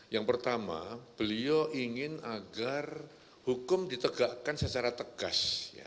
yang pertama beliau ingin agar hukum ditegakkan secara tegas